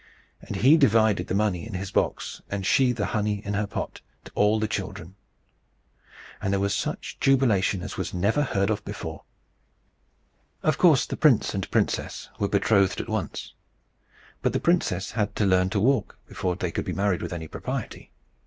And he divided the money in his box, and she the honey in her pot, to all the children. And there was such jubilation as was never heard of before. Of course the prince and princess were betrothed at once. But the princess had to learn to walk, before they could be married with any propriety.